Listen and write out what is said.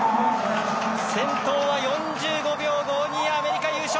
先頭は４５秒５２アメリカ優勝。